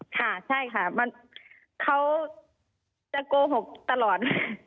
ค่ะใช่ค่ะเขาจะโกหกตลอด